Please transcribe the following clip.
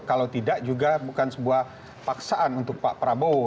kalau tidak juga bukan sebuah paksaan untuk pak prabowo